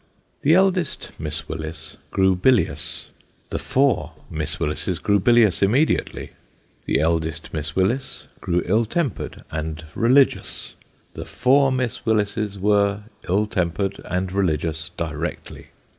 The eldest Miss Willis grew bilious the four Miss Willises grew bilious immediately. The eldest Miss Willis grew ill tempered and religious the four Miss Willises were ill tempered and religious directly.